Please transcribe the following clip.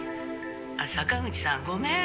「あっ坂口さんごめん」